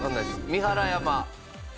三原山。